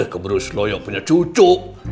keberus lo yang punya cucu